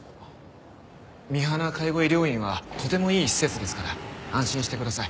見花介護医療院はとてもいい施設ですから安心してください。